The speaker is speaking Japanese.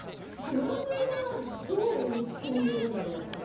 ドラムはどう打ち込んでいるんだろうって。